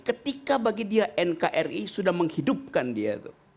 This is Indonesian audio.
ketika bagi dia nkri sudah menghidupkan dia